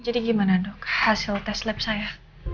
jadi gimana dok hasil tes lab saya